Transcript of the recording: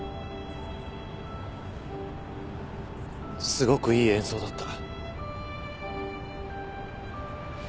すごくいい演奏だった。